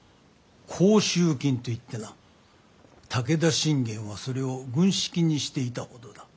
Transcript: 甲州金といってな武田信玄はそれを軍資金にしていたほどだ。